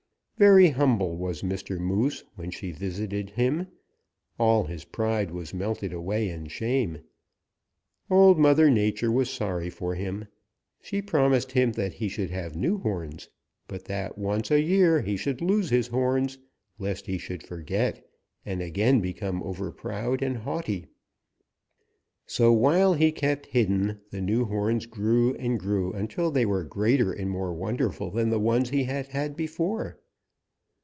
Very humble was Mr. Moose when she visited him; all his pride was melted away in shame. Old Mother Nature was sorry for him. She promised him that he should have new horns, but that once a year he should lose his horns lest he should forget and again become over proud and haughty. So while he kept hidden, the new horns grew and grew until they were greater and more wonderful than the ones he had had before.